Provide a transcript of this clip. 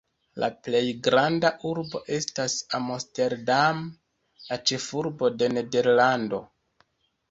La plej granda urbo estas Amsterdam, la ĉefurbo de Nederlando.